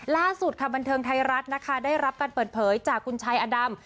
ล่าสุดค่ะบันเทิงไทยรัฐนะคะได้รับการเปิดเผยจากคุณชายอดำ